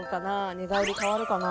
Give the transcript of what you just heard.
寝返り変わるかな？